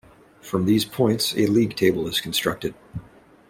From these points a league table is constructed.